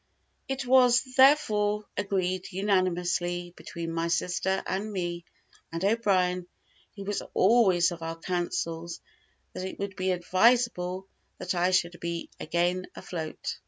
It was, therefore, agreed unanimously between my sister, and me, and O'Brien, who was always of our councils, that it would be advisable that I should be again afloat.